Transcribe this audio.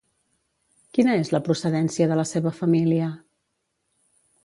Quina és la procedència de la seva família?